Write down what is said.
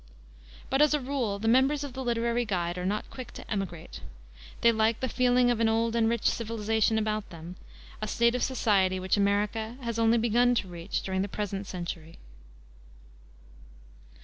But, as a rule, the members of the literary guild are not quick to emigrate. They like the feeling of an old and rich civilization about them, a state of society which America has only begun to reach during the present century.